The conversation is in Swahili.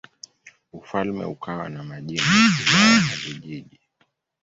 Ufalme ukawa na majimbo, wilaya na vijiji.